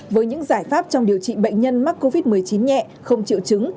với những giải pháp trong điều trị bệnh nhân mắc covid một mươi chín nhẹ không chịu chứng